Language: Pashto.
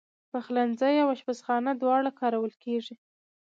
پخلنځی او آشپزخانه دواړه کارول کېږي.